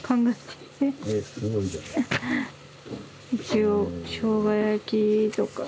一応しょうが焼きとか。